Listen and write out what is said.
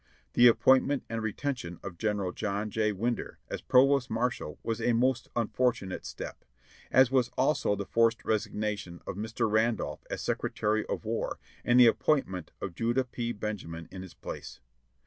The ap pointment and retention of General John H. Winder as provost marshal was a most unfortunate step, as was also the forced resignation of Mr. Randolph as Secretary of War and the ap pointment of Judah P. Benjamin in his place.